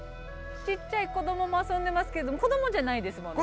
ちっちゃい子供も遊んでますけど子供じゃないですもんね？